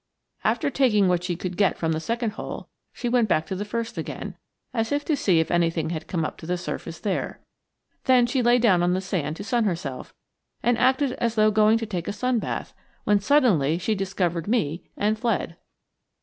After taking what she could get from the second hole, she went back to the first again, as if to see if anything had come to the surface there. Then she lay down on the sand to sun herself and acted as though going to take a sun bath, when suddenly she discovered me and fled.